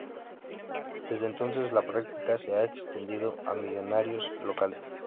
Desde entonces la práctica se ha extendido a millonarios locales.